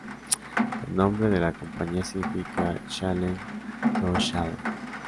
El nombre de la compañía significa "Challenge To Challenge".